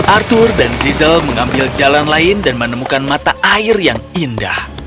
arthur dan zizzle mengambil jalan lain dan menemukan mata air yang indah